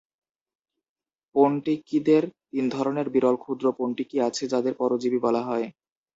পন্টিকিদের তিন ধরনের বিরল ক্ষুদ্র পন্টিকি আছে যাদের পরজীবী বলা হয়।